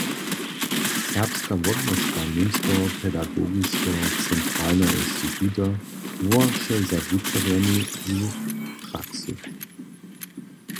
Serbska wotnožka Němskeho pedagogiskeho centralneho instituta wołaše za wučerjemi z praksy.